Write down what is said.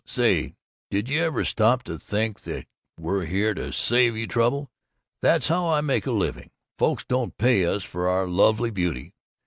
Say, did you ever stop to think that we're here to save you trouble? That's how we make a living folks don't pay us for our lovely beauty!